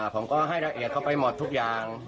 ผมก็ให้ละเอียดเข้าไปหมดทุกอย่าง